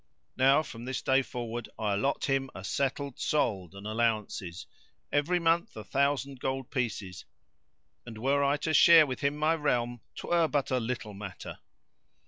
Now from this day forward I allot him a settled solde and allowances, every month a thousand gold pieces; and, were I to share with him my realm 'twere but a little matter.